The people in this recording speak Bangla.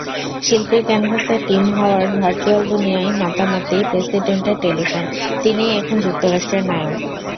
শিল্পীর ক্যানভাসে টিম হাওয়ার্ড, ভার্চুয়াল দুনিয়ায় মাতামাতি, প্রেসিডেন্টের টেলিফোন—তিনিই এখন যুক্তরাষ্ট্রের নায়ক।